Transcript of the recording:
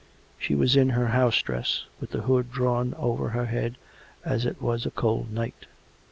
She was in her house dress, with the hood drawn over her head as it was a cold night.